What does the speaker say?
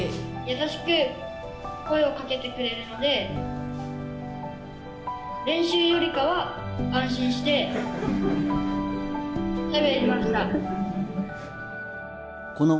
優しく声をかけてくれるので練習よりかは安心してしゃべれました。